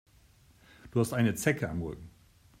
Du hast eine Zecke am Rücken.